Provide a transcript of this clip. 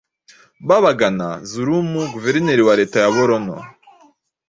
Babagana Zulum, Guverineri wa leta ya Borono,